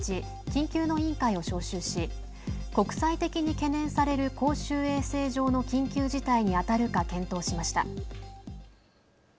緊急の委員会を招集し国際的に懸念される公衆衛生上の緊急事態に当たるか検討しました。